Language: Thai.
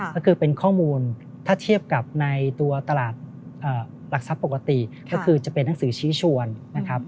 ก็คือเป็นข้อมูลถ้าเทียบกับในตัวตลาดหลักทรัพย์ปกติก็คือจะเป็นหนังสือชี้ชวนนะครับ